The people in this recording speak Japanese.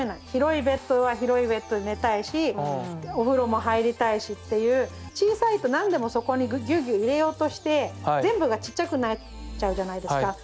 広いベッドは広いベッドで寝たいしお風呂も入りたいしっていう小さいと何でもそこにぎゅうぎゅう入れようとして全部がちっちゃくなっちゃうじゃないですか。